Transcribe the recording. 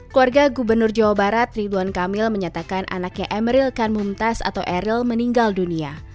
keluarga gubernur jawa barat ridwan kamil menyatakan anaknya emeril kanmumtaz atau eril meninggal dunia